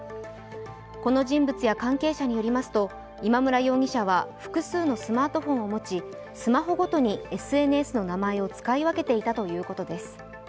この人物や関係者によりますと今村容疑者は複数のスマートフォンを持ちスマホごとにＳＮＳの名前を使い分けていたということです。